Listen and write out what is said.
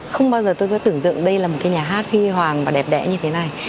không bao giờ tôi có tưởng tượng đây là một cái nhà hát huy hoàng và đẹp đẽ như thế này